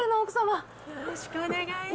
よろしくお願いします。